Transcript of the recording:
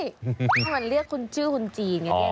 งั้นเรียกคุณชื่อคุณจีน